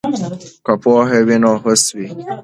که پوهه وي نو هوس وي.